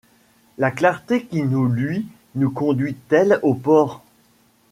La clarté qui nous luit nous conduit-elle au port ?